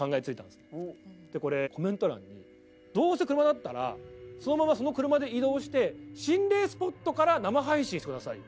でこれコメント欄に「どうせ車だったらそのままその車で移動して心霊スポットから生配信してください」と。